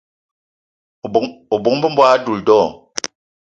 O bóng-be m'bogué a doula do?